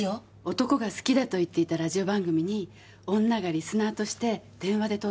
男が好きだと言っていたラジオ番組に女がリスナーとして電話で登場するの。